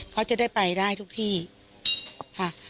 เขาจะได้ไปได้ทุกที่ค่ะ